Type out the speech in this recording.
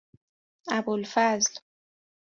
ابوالفضل